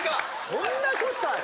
そんなことある。